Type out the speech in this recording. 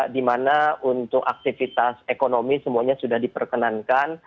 di mana untuk aktivitas ekonomi semuanya sudah diperkenankan